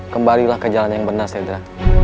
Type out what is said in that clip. kembalilah ke jalan yang benar sedra